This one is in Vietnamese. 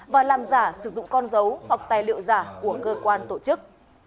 và làm giả sử dụng con dấu hoặc tài liệu giả của cơ quan tổ chức